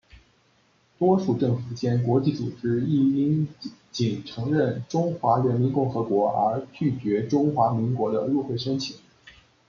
多数政府间国际组织亦因仅承认中华人民共和国而拒绝中华民国的入会申请。